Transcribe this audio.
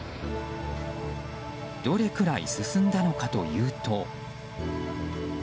どれくらい進んだのかというと。